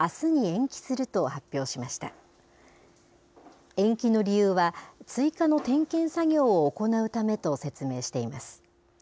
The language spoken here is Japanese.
延期の理由は、追加の点検作業を行うためと説明しています。